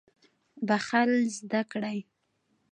بخښل زده کړئ